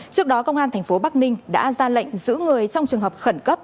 trước đó công an tp bắc ninh đã ra lệnh giữ người trong trường hợp khẩn cấp